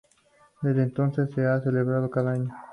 Desde entonces se ha celebrado cada año.